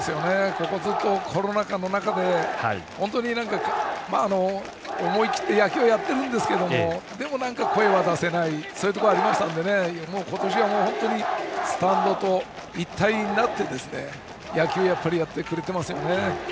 ずっとコロナ禍の中で思い切って野球をやってるんですけどもでも声は出せないそういうところがありましたので今年はスタンドと一体になって野球をやってくれてますよね。